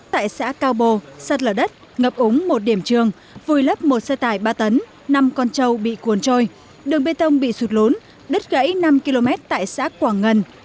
tại xã cao bồ sạt lở đất ngập úng một điểm trường vùi lấp một xe tải ba tấn năm con trâu bị cuốn trôi đường bê tông bị sụt lún đất gãy năm km tại xã quảng ngân